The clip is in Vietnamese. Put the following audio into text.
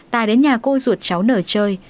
tài đến nhà cô ruột cháu n chơi